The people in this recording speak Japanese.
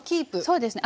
そうですね。